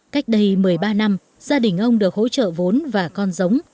cách đây một mươi ba năm gia đình ông được hỗ trợ vốn và con giống